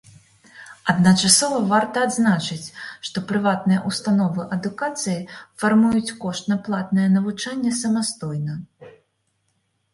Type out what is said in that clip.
Адначасова варта адзначыць, што прыватныя ўстановы адукацыі фармуюць кошт на платнае навучанне самастойна.